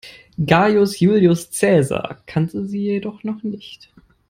Gaius Julius Cäsar kannte sie jedoch noch nicht.